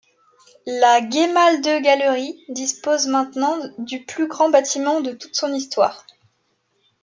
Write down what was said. La Gemäldegalerie dispose maintenant du plus grand bâtiment de toute son histoire.